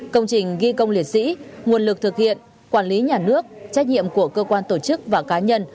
công trình ghi công liệt sĩ nguồn lực thực hiện quản lý nhà nước trách nhiệm của cơ quan tổ chức và cá nhân